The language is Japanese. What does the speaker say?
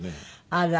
あら。